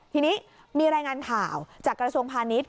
ทีนี้มีรายงานข่าวจากกระทรวงพาณิชย